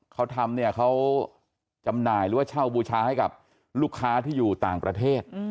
เขาทำเนี่ยเขาจำหน่ายหรือว่าเช่าบูชาให้กับลูกค้าที่อยู่ต่างประเทศ